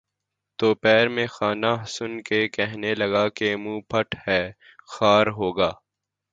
تو پیر مے خانہ سن کے کہنے لگا کہ منہ پھٹ ہے خار ہوگا